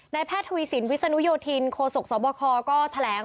แพทย์ทวีสินวิศนุโยธินโคศกสบคก็แถลง